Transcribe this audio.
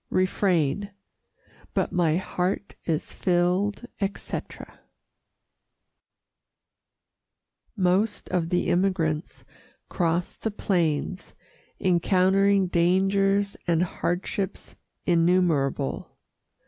Refrain But my heart is filled, etc. Most of the emigrants crossed the plains, encountering dangers and hardships innumerable.